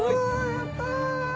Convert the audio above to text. やった！